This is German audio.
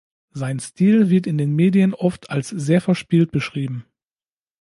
Sein Stil wird in den Medien oft als sehr verspielt beschrieben.